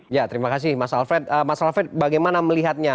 ya terima kasih mas alfred mas alfred bagaimana melihatnya